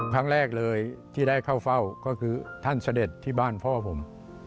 ครั้งแรกเลยที่ได้เข้าเฝ้าก็คือท่านเสด็จที่บ้านพ่อผม